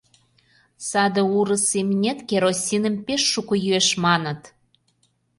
— Саде урыс имнет керосиным пеш шуко йӱэш, маныт.